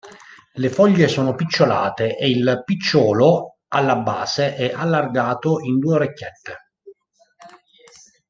Le foglie sono picciolate e il picciolo alla base è allargato in due orecchiette.